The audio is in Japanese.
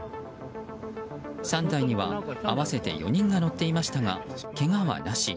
３台には合わせて４人が乗っていましたがけがはなし。